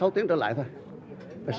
sáu tiếng trở lại thôi